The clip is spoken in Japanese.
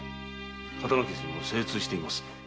刀傷にも精通しています。